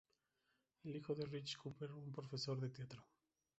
Es hijo de Richard Cooper, un exprofesor de teatro.